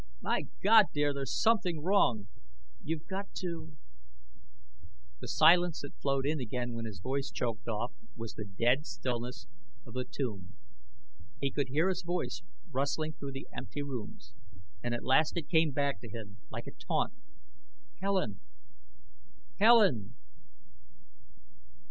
My God, dear, there's something wrong! You've got to " The silence that flowed in again when his voice choked off was the dead stillness of the tomb. He could hear his voice rustling through the empty rooms, and at last it came back to him like a taunt: "_Helen! Helen!